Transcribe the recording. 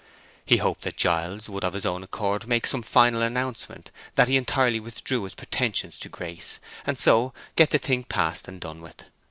He hoped that Giles would of his own accord make some final announcement that he entirely withdrew his pretensions to Grace, and so get the thing past and done with.